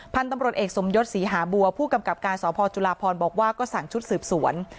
พันธุ์ตำรวจเอกสมยศศรีหาบัวผู้กำกับการสพจุลาพรบอกว่าก็สั่งชุดสืบสวน